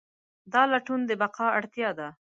دا لټون د بقا اړتیا ده.